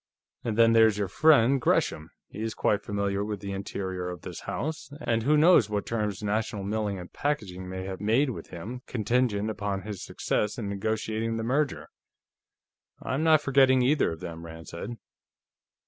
And then there is your friend Gresham; he is quite familiar with the interior of this house, and who knows what terms National Milling & Packaging may have made with him, contingent upon his success in negotiating the merger?" "I'm not forgetting either of them," Rand said.